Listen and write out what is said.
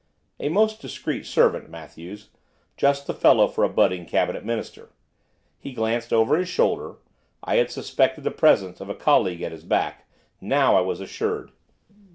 A most discreet servant, Matthews, just the fellow for a budding cabinet minister. He glanced over his shoulder, I had suspected the presence of a colleague at his back, now I was assured.